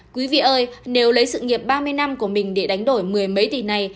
quý vị ơi nếu lấy sự nghiệp ba mươi năm của mình để đánh đổi mười mấy tỷ này